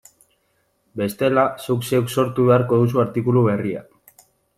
Bestela, zuk zeuk sortu beharko duzu artikulu berria.